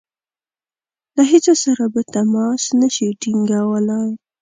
له هیچا سره به تماس نه شي ټینګولای.